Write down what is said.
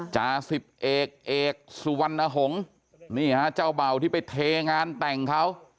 จาสิบเอกเอกสุวรรณหงษ์นี่ฮะเจ้าเบ่าที่ไปเทงานแต่งเขา